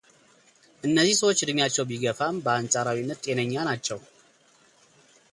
እነዚህ ሰዎች ዕድሜያቸው ቢገፋም በአንጻራዊነት ጤነኛ ናቸው።